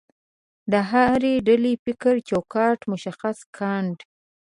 د هرې ډلې فکري چوکاټ مشخص کاندي.